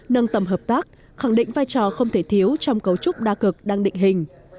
nâng tầm hợp tác khẳng định vai trò không thể thiếu trong cấu trúc đa cực đang định hình